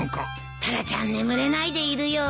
タラちゃん眠れないでいるよ。